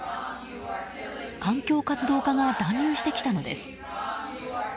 環境活動家が乱入してきたのです。